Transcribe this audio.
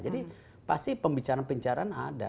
jadi pasti pembicaraan bicaraan ada